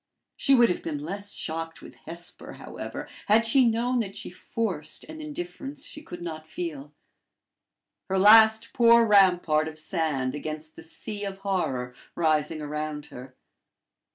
She would have been less shocked with Hesper, however, had she known that she forced an indifference she could not feel her last poor rampart of sand against the sea of horror rising around her.